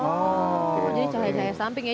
jadi cahaya cahaya samping ya